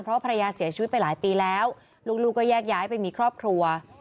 เพราะภรรยาเสียชีวิตไปหลายปีแล้วลูกก็แยกย้ายไปมีครอบครัว